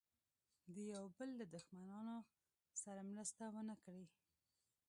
د یوه بل له دښمنانو سره مرسته ونه کړي.